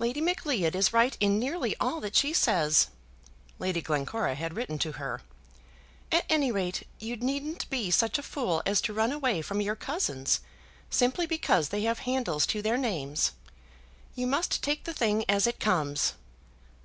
"Lady Macleod is right in nearly all that she says," Lady Glencora had written to her. "At any rate, you needn't be such a fool as to run away from your cousins, simply because they have handles to their names. You must take the thing as it comes."